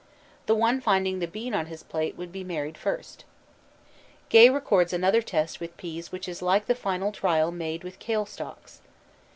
The one finding the bean on his plate would be married first. Gay records another test with peas which is like the final trial made with kale stalks.